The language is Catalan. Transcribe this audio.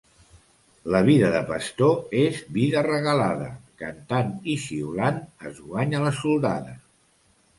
La vida de pastor és vida regalada, cantant i xiulant es guanya la soldada.